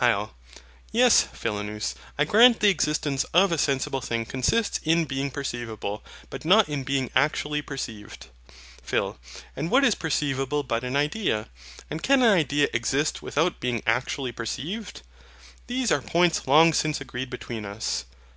HYL. Yes, Philonous, I grant the existence of a sensible thing consists in being perceivable, but not in being actually perceived. PHIL. And what is perceivable but an idea? And can an idea exist without being actually perceived? These are points long since agreed between us.